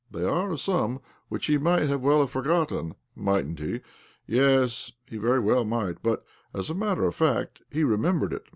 They are a sum which he might well have forgotten, mightn't he? Yes, he very well might. But as a matter of fact, he remembered it.